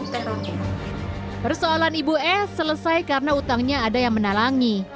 persoalan ibu s selesai karena utangnya ada yang menalangi